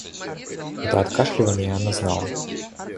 Это откашливанье она знала.